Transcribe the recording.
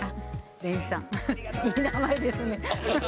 廉さん、いい名前ですね。